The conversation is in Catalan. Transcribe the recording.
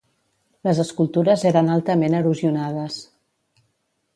Les escultures eren altament erosionades.